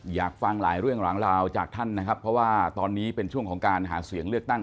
อยากฟังหลายเรื่องหลังราวจากท่านนะครับเพราะว่าตอนนี้เป็นช่วงของการหาเสียงเลือกตั้ง